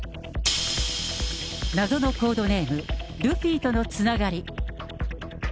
謎のコードネーム、ルフィとのつながり。